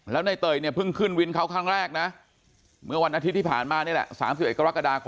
แล้วในเตยเนี่ยเพิ่งขึ้นวินเขาครั้งแรกนะเมื่อวันอาทิตย์ที่ผ่านมานี่แหละ๓๑กรกฎาคม